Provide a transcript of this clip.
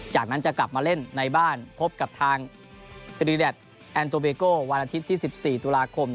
จากนั้นจะกลับมาเล่นในบ้านพบกับทางตรีแดดแอนโตเบโก้วันอาทิตย์ที่๑๔ตุลาคม